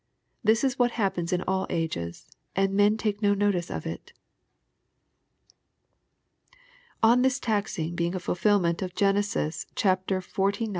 This is what happens in all ages, and men take no notice of it" On this taxing being a fulfilment of Genesis xlix.